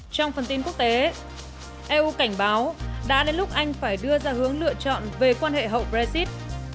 trong phần tin quốc tế eu cảnh báo đã đến lúc anh phải đưa ra hướng lựa chọn về quan hệ hậu brexit